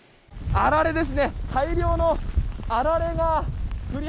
あられです。